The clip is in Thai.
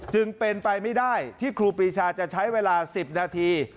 จึงเป็นไปไม่ได้ที่ครูปรีชาจะใช้เวลา๑๐นาที